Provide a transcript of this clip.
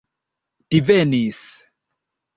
divenis